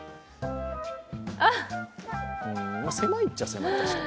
狭いっちゃ狭い、確かに。